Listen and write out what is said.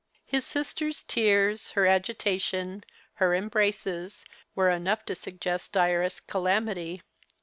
His sister's tears, her agitation, her embraces were enough to suggest direst calamity.